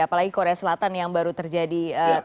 apalagi korea selatan yang baru terjadi